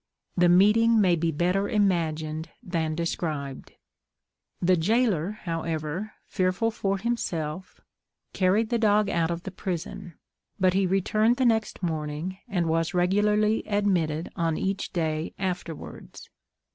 The meeting may be better imagined than described. The gaoler, however, fearful for himself, carried the dog out of the prison; but he returned the next morning, and was regularly admitted on each day afterwards.